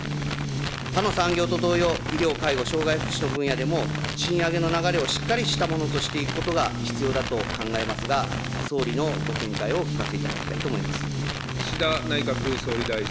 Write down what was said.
他の産業と同様、医療、介護、障害福祉の分野でも、賃上げの流れをしっかりしたものとしていくことが必要だと考えますが、総理のご見解をお聞かせいただきたいと思います。